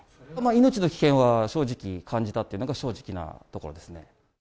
命の危険は正直、感じたっていうのが正直なところですね。